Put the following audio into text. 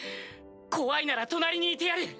怖いなら隣にいてやる。